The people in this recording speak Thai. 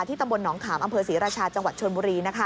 ตำบลหนองขามอำเภอศรีราชาจังหวัดชนบุรี